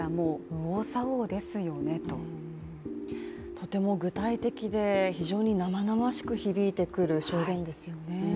とても具体的で非常に生々しく響いてくる証言ですよね。